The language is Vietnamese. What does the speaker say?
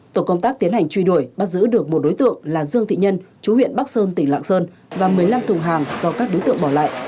tổ công tác tiến hành truy đuổi bắt giữ được một đối tượng là dương thị nhân chú huyện bắc sơn tỉnh lạng sơn và một mươi năm thùng hàng do các đối tượng bỏ lại